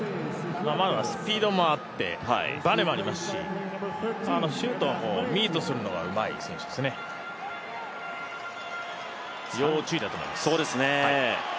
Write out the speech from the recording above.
スピードもあって、バネもありますし、シュート、ミートするのがうまい選手ですね、要注意だと思います。